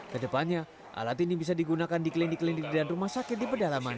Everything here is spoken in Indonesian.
kedepannya alat ini bisa digunakan di klinik klinik dan rumah sakit di pedalaman